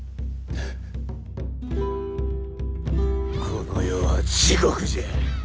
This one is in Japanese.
この世は地獄じゃ！